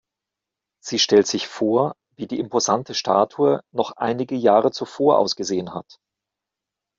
Sie stellt sich vor, wie die imposante Statue noch einige Jahre zuvor ausgesehen hat.